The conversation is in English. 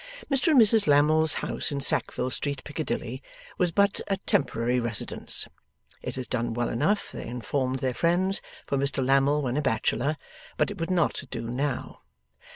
Mr and Mrs Lammle's house in Sackville Street, Piccadilly, was but a temporary residence. It has done well enough, they informed their friends, for Mr Lammle when a bachelor, but it would not do now.